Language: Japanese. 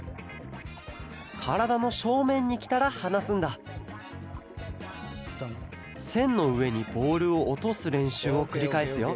からだのしょうめんにきたらはなすんだせんのうえにボールをおとすれんしゅうをくりかえすよ